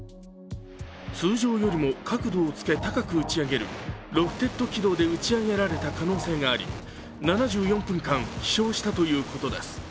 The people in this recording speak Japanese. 通常よりも角度をつけ、高く打ち上げるロフテッド軌道で打ち上げられた可能性があり、７４分間、飛しょうしたということです。